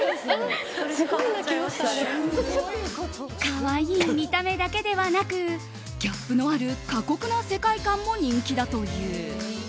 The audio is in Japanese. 可愛い見た目だけではなくギャップのある過酷な世界観も人気だという。